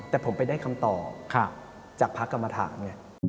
แต่ผมไปได้คำตอบจากพระกรรมฐานไง